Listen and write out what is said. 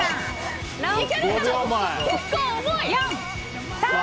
結構重い。